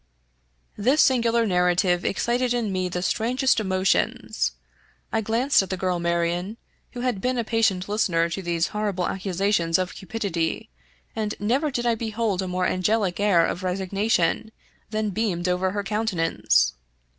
This singular narrative excited in me the strangest emo tions. I glanced at the girl Marion, who had been a patient listener to these horrible accusations of cupidity, and never did I behold a more angelic air of resignation than beamed over her countenance.